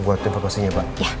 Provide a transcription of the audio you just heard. buat informasinya pak